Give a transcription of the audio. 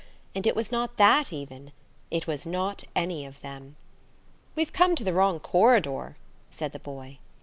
And it was not that, even. It was not any of them. "We've come to the wrong corridor," said the boy.